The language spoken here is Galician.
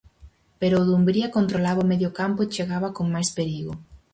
Pero o Dumbría controlaba o medio campo e chegaba con máis perigo.